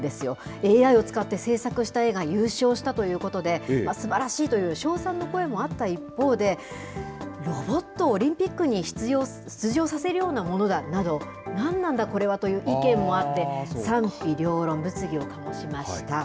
ＡＩを使って制作した絵が優勝したということで、すばらしいという称賛の声もあった一方で、ロボットをオリンピックに出場させるようなものだなど、何なんだこれはという意見もあって、賛否両論、物議を醸しました。